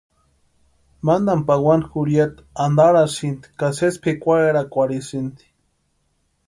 Mantani pawani jurhiata antarasïnti ka sési pʼikwarherakwarhisïnti.